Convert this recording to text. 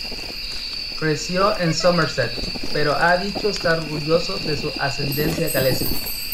Creció en Somerset, pero ha dicho estar orgulloso de su ascendencia galesa.